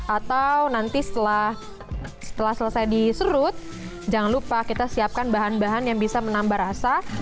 atau nanti setelah selesai diserut jangan lupa kita siapkan bahan bahan yang bisa menambah rasa